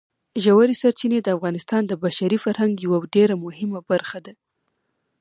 ژورې سرچینې د افغانستان د بشري فرهنګ یوه ډېره مهمه برخه ده.